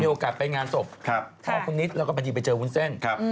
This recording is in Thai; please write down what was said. โอกาสไปงานศพพ่อคุณนิดแล้วก็พอดีไปเจอวุ้นเส้น